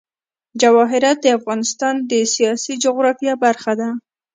جواهرات د افغانستان د سیاسي جغرافیه برخه ده.